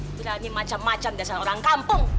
bilangi macem macem dasar orang kampung